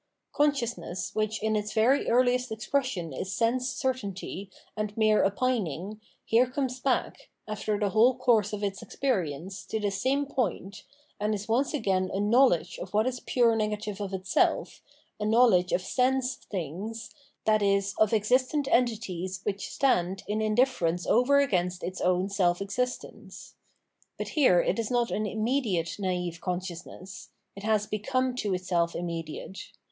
Consciousness, which in its very earliest expression is sense certainty and mere " opining,^'' here comes back, after the whole course of its experience, to this same point, and is once again a hnowledge of what is pure negative of itself, a know ledge of sense things, i.e. of existent entities which stand in indifference over against its own self existence. But here it is not an immediate naive consciousness ; it has become to itself immediate.